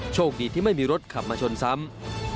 โชคดีที่ไม่มีรถขับมาชนซ้ำ